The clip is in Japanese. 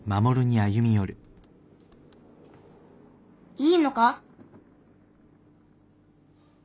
いいのか？